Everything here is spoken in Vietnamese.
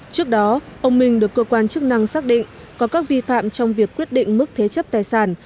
trước đó ông minh được cơ quan chức năng xác định có các vi phạm trong việc quyết định mức thế chấp tài sản